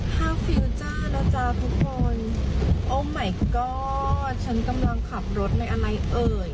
ฮาวฟิวเจ้าแล้วจ้ะทุกคนโอ้ไหมก็อดฉันกำลังขับรถในอะไรเอ่ย